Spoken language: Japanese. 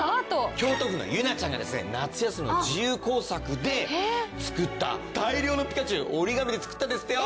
京都府のゆなちゃんが夏休みの自由工作で作った大量のピカチュウ折り紙で作ったんですってよ。